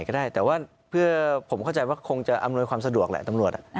สะดวกแหละตำรวจไปโรงพักก็ดีแหละตำรวจ